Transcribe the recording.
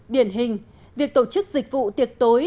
điển hình việc tổ chức dịch vụ tiệc tối